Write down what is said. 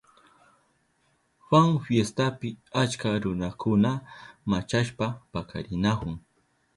Juan fiestapi achka runakuna machashpa pakarinahun.